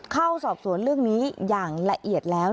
เข้าสอบสวนเรื่องนี้อย่างละเอียดแล้ว